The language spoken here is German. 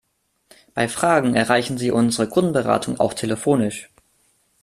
Bei Fragen erreichen Sie unsere Kundenberatung auch telefonisch.